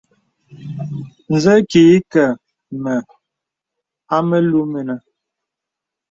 Zə kì ìkɛ̂ mə a mèlù mìnə̀.